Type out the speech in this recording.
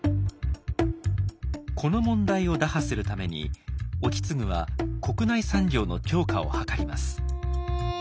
この問題を打破するために意次は国内産業の強化を図ります。